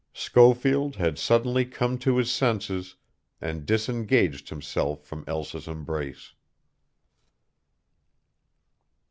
Schofield had suddenly come to his senses and disengaged himself from Elsa's embrace.